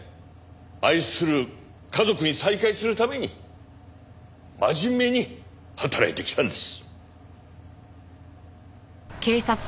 愛する家族に再会するために真面目に働いてきたんです。